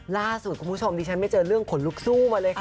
ล่าสุดคุณผู้ชมดิฉันไม่เจอเรื่องขนลุกสู้มาเลยค่ะ